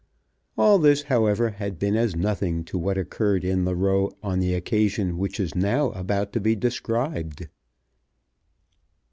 All this, however, had been as nothing to what occurred in the Row on the occasion which is now about to be described.